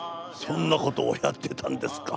そんなことをやってたんですか？